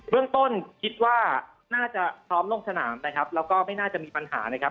เรื่องต้นคิดว่าน่าจะพร้อมลงสนามนะครับแล้วก็ไม่น่าจะมีปัญหานะครับ